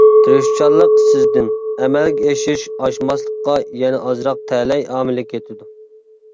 تىرىشچانلىق سىزدىن، ئەمەلگە ئېشىش ئاشماسلىققا يەنە ئازراق تەلەي ئامىلى كېتىدۇ.